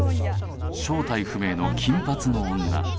正体不明の金髪の女